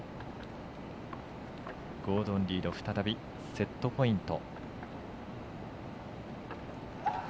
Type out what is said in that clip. ゴードン・リード再びセットポイント。